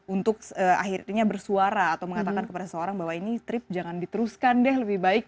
untuk akhirnya bersuara atau mengatakan kepada seseorang bahwa ini trip jangan diteruskan deh lebih baik